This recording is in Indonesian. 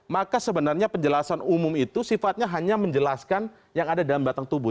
maka sebenarnya penjelasan umum itu sifatnya hanya menjelaskan yang ada dalam batang tubuh